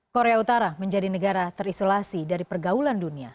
korea utara menjadi negara terisolasi dari pergaulan dunia